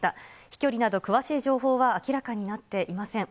飛距離など、詳しい情報は明らかになっていません。